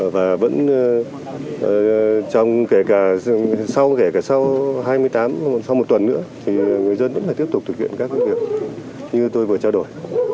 và vẫn trong kể cả sau hai mươi tám sau một tuần nữa thì người dân vẫn phải tiếp tục thực hiện các cái việc như tôi vừa trao đổi